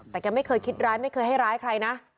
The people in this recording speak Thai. แต่แกไม่เคยคิดร้ายไม่เคยให้ร้ายใครนะ